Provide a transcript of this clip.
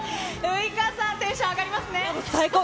ウイカさん、テンション上が最高。